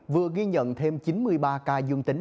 vừa ghi nhận thêm chín mươi ba ca dương tính